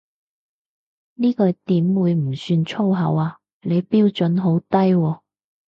呢句點會唔算粗口啊，你標準好低喎